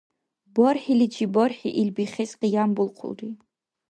БархӀиличи-бархӀи ил бихес къиянбулхъулри.